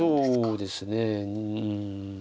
そうですね。